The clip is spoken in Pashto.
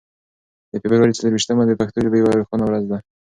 د فبرورۍ څلور ویشتمه د پښتو ژبې یوه روښانه ورځ ده.